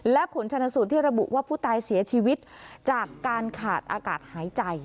และผลชนสูตรที่ระบุว่าผู้ตายเสียชีวิตจากการขาดอากาศหายใจ